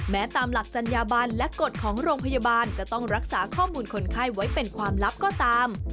ตามหลักจัญญาบันและกฎของโรงพยาบาลจะต้องรักษาข้อมูลคนไข้ไว้เป็นความลับก็ตาม